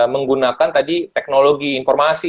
menggunakan tadi teknologi informasi